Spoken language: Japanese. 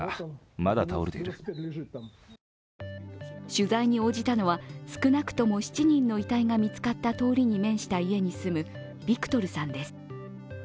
取材に応じたのは少なくとも７人の遺体が見つかった通りに面した家に住むビクトルさんです。